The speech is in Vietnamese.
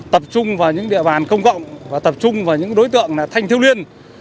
tập trung vào những địa bàn công cộng và tập trung vào những đối tượng thanh thiếu niên